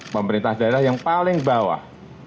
pemerintah daerah yang paling bawah